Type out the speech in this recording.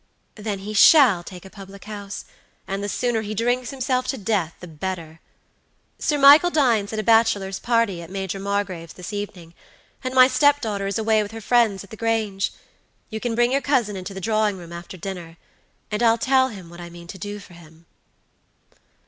"Then he shall take a public house, and the sooner he drinks himself to death the better. Sir Michael dines at a bachelor's party at Major Margrave's this evening, and my step daughter is away with her friends at the Grange. You can bring your cousin into the drawing room after dinner, and I'll tell him what I mean to do for him."